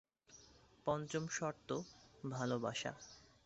পঞ্চম শর্ত: ভালোবাসা।